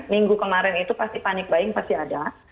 minggu kemarin itu pasti panik buying pasti ada